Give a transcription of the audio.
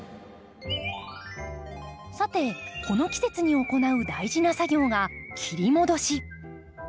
さてこの季節に行う大事な作業が切り戻し。